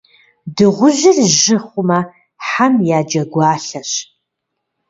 Дыгъужьыр жьы хъумэ, хьэм я джэгуалъэщ.